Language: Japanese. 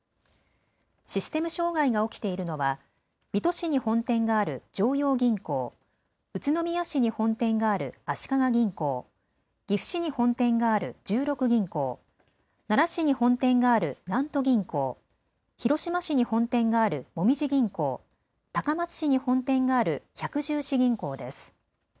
システム障害が起きているのは水戸市に本店がある常陽銀行、宇都宮市に本店がある足利銀行、岐阜市に本店がある十六銀行、奈良市に本店がある南都銀行、広島市に本店があるもみじ銀行、高松市に本店がある百十四銀行です。